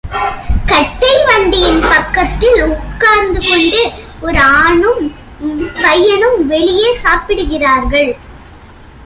கட்டை வண்டியின் பக்கத்தில் உற்கார்ந்துகொண்டு ஒரு ஆணும் பையனும் வெளியே சாப்பிடுகிறார்கள்